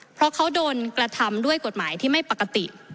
เพราะเขาโดนกระทำด้วยกฎหมายที่ไม่ปกติ